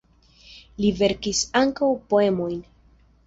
Li verkis ankaŭ poemojn.